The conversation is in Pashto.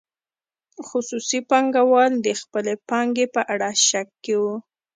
خصوصي پانګوال د خپلې پانګې په اړه شک کې وو.